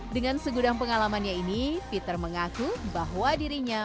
dengan segudang pengalamannya ini peter mengaku bahwa dirinya